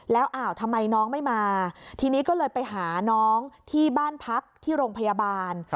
แล้วอ้าวทำไมน้องไม่มาทีนี้ก็เลยไปหาน้องที่บ้านพักที่โรงพยาบาล